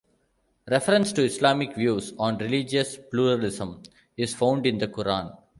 Reference to Islamic views on religious pluralism is found in the Quran.